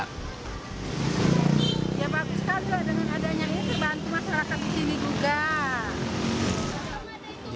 ya bagus sekali dengan adanya ini dibantu masyarakat di sini juga